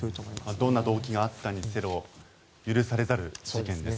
どんな動機があったにせよ許されざる事件です。